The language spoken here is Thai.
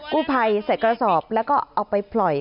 ผู้ภัยใส่กระสอบแล้วก็เอาไปปล่อย